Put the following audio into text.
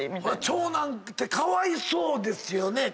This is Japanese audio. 長男ってかわいそうですよね。